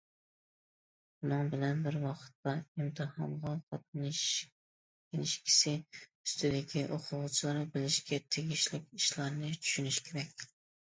شۇنىڭ بىلەن بىر ۋاقىتتا ئىمتىھانغا قاتنىشىش كىنىشكىسى ئۈستىدىكى ئوقۇغۇچىلار بىلىشكە تېگىشلىك ئىشلارنى چۈشىنىشى كېرەك.